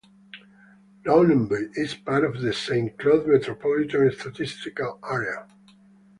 Ronneby is part of the Saint Cloud Metropolitan Statistical Area.